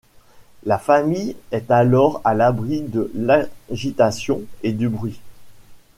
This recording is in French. La famille est alors à l’abri de l’agitation et du bruit.